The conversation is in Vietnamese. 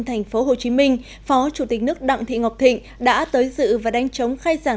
thành phố hồ chí minh phó chủ tịch nước đặng thị ngọc thịnh đã tới dự và đánh chống khai giảng